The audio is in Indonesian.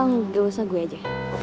oh gak usah gue aja